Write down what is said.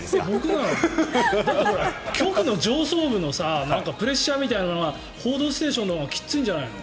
だって局の上層部のプレッシャーみたいなのが「報道ステーション」のほうがきついんじゃないの？